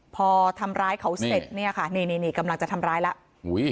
พอทำร้ายเขาเสร็จเนี่ยค่ะนี่นี่กำลังจะทำร้ายแล้ว